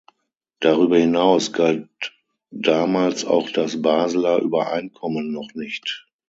Darüber hinaus galt damals auch das Baseler Übereinkommen noch nicht.